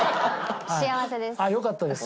幸せです。